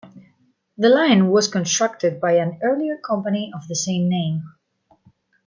The line was constructed by an earlier company of the same name.